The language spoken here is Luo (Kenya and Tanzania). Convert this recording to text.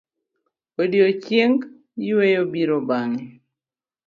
Odiochieng' yueyo biro bang'e.